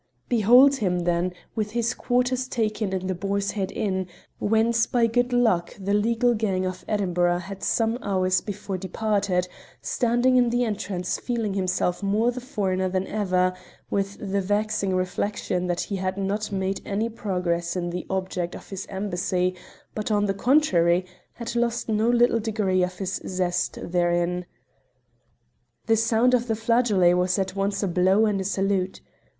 Behold him, then, with his quarters taken in the Boar's Head Inn, whence by good luck the legal gang of Edinburgh had some hours before departed, standing in the entrance feeling himself more the foreigner than ever, with the vexing reflection that he had not made any progress in the object of his embassy, but, on the contrary, had lost no little degree of his zest therein. The sound of the flageolet was at once a blow and a salute.